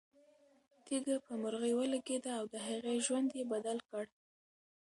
تیږه په مرغۍ ولګېده او د هغې ژوند یې بدل کړ.